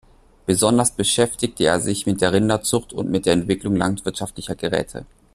Besonders beschäftigte er sich mit der Rinderzucht und mit der Entwicklung landwirtschaftlicher Geräte.